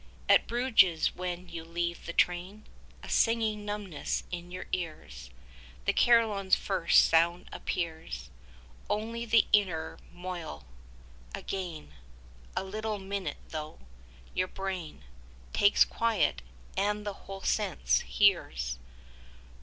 At Bruges, when you leave the train, A singing numbness in your ears, 20 The Carillon's first sound appears Only the inner moil. Again A little minute though your brain Takes quiet, and the whole sense hears.